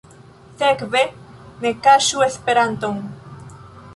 Sekve, ne kaŝu Esperanton.